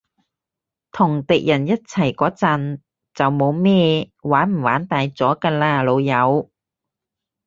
同敵人一齊嗰陣，就冇咩玩唔玩大咗㗎喇，老友